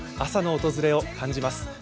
朝の訪れを感じます。